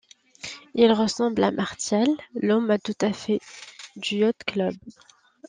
Il ressemble à Martial, l'homme à tout faire du yacht-club.